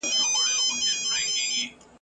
سرې منګولي به زینت وي، څېرول به عدالت وي ..